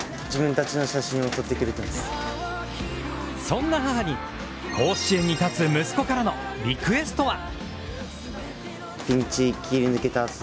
そんな母に、甲子園に立つ息子からのリクエストは？